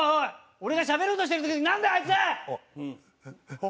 俺がしゃべろうとしてる時になんだよあいつ！